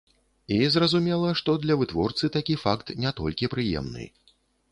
І зразумела, што для вытворцы такі факт не толькі прыемны.